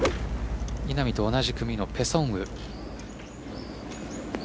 稲見と同じ組のペ・ソンウ。